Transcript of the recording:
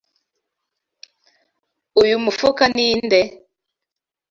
Uyu mufuka ni nde?